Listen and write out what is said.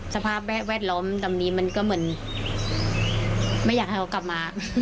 สภาพแวดล้อมดำนี้มันก็เหมือนไม่อยากให้เขากลับมา